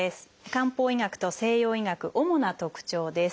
漢方医学と西洋医学主な特徴です。